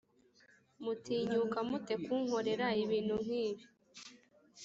mutinyuka mute kunkorera ibintu nkibi.